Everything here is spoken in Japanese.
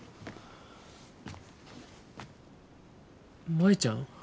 舞ちゃん。